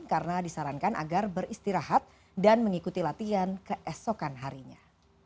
karena disarankan agar beristirahat dan mengikuti latihan keesokan harinya